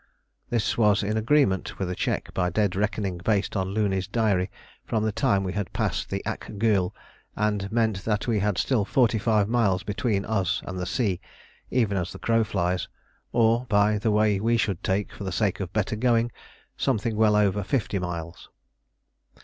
This was in agreement with a check by dead reckoning based on Looney's diary from the time we had passed the Ak Gueul, and meant that we had still forty five miles between us and the sea, even as the crow flies; or, by the way we should take for the sake of better going, something well over fifty miles.